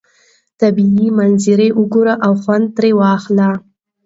طبیعي منظرې وګورئ او خوند ترې واخلئ.